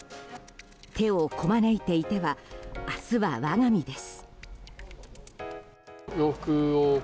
手をこまねいていては明日は我が身です。